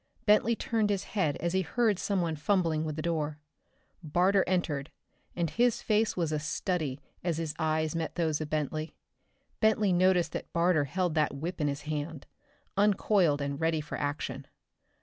Bentley turned his head as he heard someone fumbling with the door. Barter entered, and his face was a study as his eyes met those of Bentley. Bentley noticed that Barter held that whip in his hand, uncoiled and ready for action.